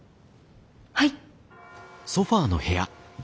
はい。